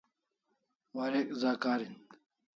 Warek za karin